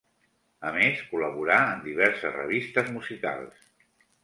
A més col·laborà en diverses revistes musicals.